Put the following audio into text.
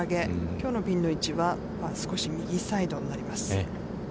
きょうの位置は、少し右サイドになります。